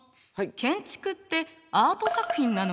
建築ってアート作品なのかしら？